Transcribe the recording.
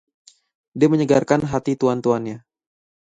Dia menyegarkan hati tuan-tuannya.